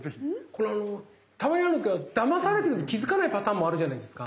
これあのたまにあるんですけどだまされてるのに気付かないパターンもあるじゃないですか。